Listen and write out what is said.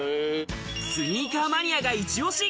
スニーカーマニアがイチ押し！